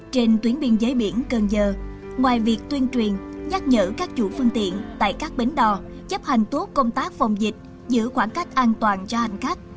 trên tuyến biên giới biển cần giờ ngoài việc tuyên truyền nhắc nhở các chủ phương tiện tại các bến đò chấp hành tốt công tác phòng dịch giữ khoảng cách an toàn cho hành khách